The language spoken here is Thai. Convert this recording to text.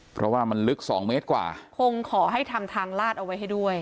เพราะว่ามันลึกสองเมตรกว่าคงขอให้ทำทางลาดเอาไว้ให้ด้วย